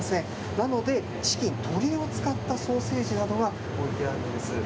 なので、チキン、鶏を使ったソーセージなどが置いてあるんです。